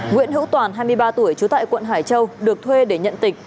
nguyễn hữu toàn hai mươi ba tuổi trú tại quận hải châu được thuê để nhận tịch